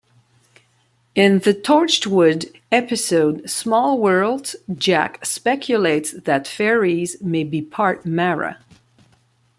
In the "Torchwood" episode "Small Worlds", Jack speculates that "fairies" may be "part Mara".